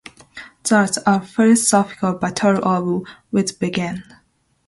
Thus, a philosophical battle of wit begins.